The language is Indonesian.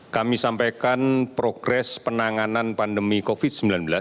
kami sampaikan progres penanganan pandemi covid sembilan belas